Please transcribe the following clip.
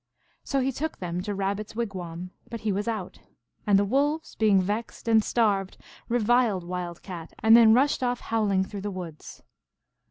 So he took them to Rabbit s wigwam ; but he was out, and the Wolves, being vexed and starved, reviled Wild Cat, and then rushed off howling through the woods.